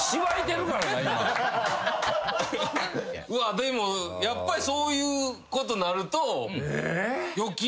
でもやっぱりそういうことなると。